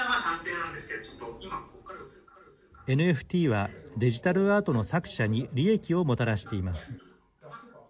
ＮＦＴはデジタルアートの作者に利益をもたらしています。